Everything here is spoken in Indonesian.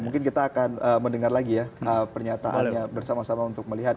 mungkin kita akan mendengar lagi ya pernyataannya bersama sama untuk melihat